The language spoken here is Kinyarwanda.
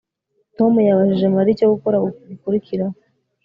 Tom yabajije Mariya icyo gukora gikurikiraho